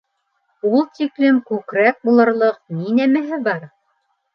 Ул тиклем күкрәк булырлыҡ ни нәмәһе бар.